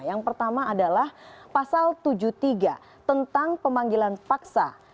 yang pertama adalah pasal tujuh puluh tiga tentang pemanggilan paksa